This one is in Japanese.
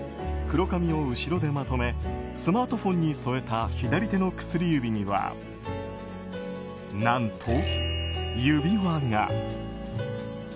黒髪を後ろでまとめスマートフォンに添えた左手の薬指には何と、指輪が。